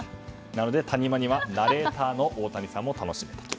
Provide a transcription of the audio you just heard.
なので谷間にはナレーターの大谷さんも楽しめると。